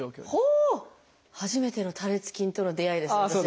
初めての多裂筋との出会いです私。